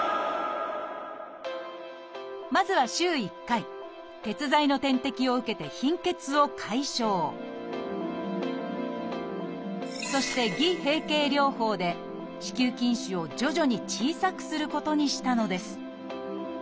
まずは週１回鉄剤の点滴を受けて貧血を解消そして「偽閉経療法」で子宮筋腫を徐々に小さくすることにしたのです。